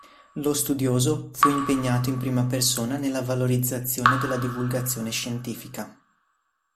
Lo studioso fu impegnato in prima persona nella valorizzazione della divulgazione scientifica.